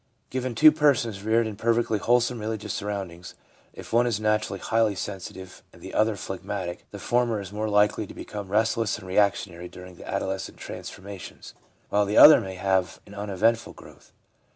Given two persons reared in perfectly wholesome religious surroundings, if one is naturally highly sensitive, and the other phlegmatic, the former is more likely to be come restless and reactionary during the adolescent transformations, while the other may have an unevent ful growth.